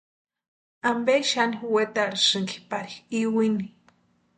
¿Ampe xani wetarhisïnki pari iwini?